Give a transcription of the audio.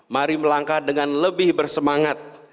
mari melangkah dengan lebih bersemangat